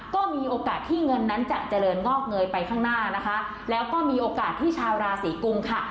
ก็มีโอกาสที่เงินนั้นจะเจริญงอกเงยไปข้างหน้านะคะแล้วก็มีโอกาสที่ชาวราศีกุมค่ะ